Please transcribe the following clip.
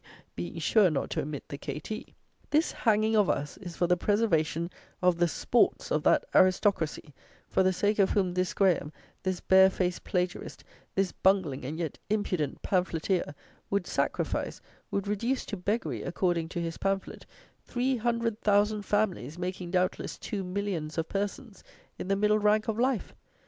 (being sure not to omit the K.T.); this hanging of us is for the preservation of the sports of that aristocracy, for the sake of whom this Graham, this barefaced plagiarist, this bungling and yet impudent pamphleteer, would sacrifice, would reduce to beggary, according to his pamphlet, three hundred thousand families (making, doubtless, two millions of persons), in the middle rank of life!